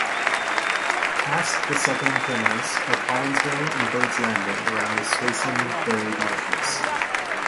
Past the southern terminus are Collinsville and Birds Landing around the Suisun Bay marshes.